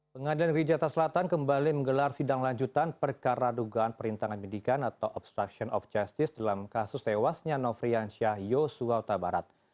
pengadilan negeri jakarta selatan kembali menggelar sidang lanjutan perkara dugaan perintangan pendidikan atau obstruction of justice dalam kasus tewasnya nofrian syah yosua utabarat